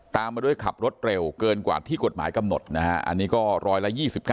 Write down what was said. มาด้วยขับรถเร็วเกินกว่าที่กฎหมายกำหนดนะฮะอันนี้ก็ร้อยละ๒๙